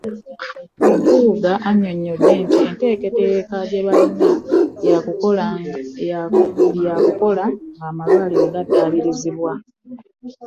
Mpuuga annyonnyodde nti enteekateeka gye balina ya kukola ng'amalwariro gaddaabirizibwa.